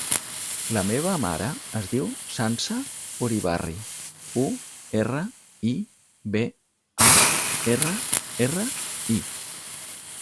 La meva mare es diu Sança Uribarri: u, erra, i, be, a, erra, erra, i.